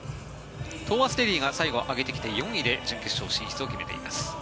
トーマス・デーリーが最後は上げてきて４位で準決勝進出を決めています。